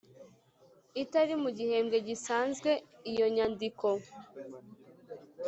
Itari mu gihembwe gisanzwe iyo nyandiko